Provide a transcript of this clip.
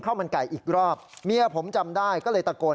เพื่อนก็บอกว่าพอนี้เอาไปขายทองที่บีน๔